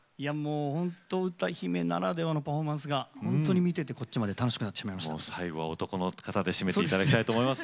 本当、歌姫ならではのパフォーマンスが本当に見ていてこっちまで楽しくなってしまいました。